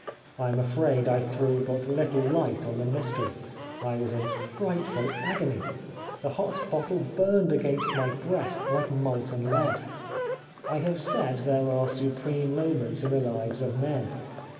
I am afraid I threw but Httle light on the mystery. I was in frightful agony. The hot bottle burned against my breast like molten lead. I have said '' there are supreme moments in the lives of men."